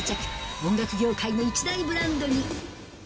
音楽業界の一大ブランドに。